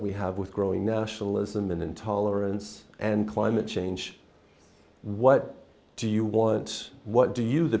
bởi vì thủ tướng của asean năm nay và đặc biệt là năng lực của họ